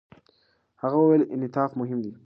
هغه وویل، انعطاف مهم دی.